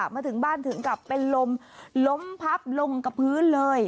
มาถึงบ้านถึงกลับเป็นลมล้มพับลงกับพื้นเลย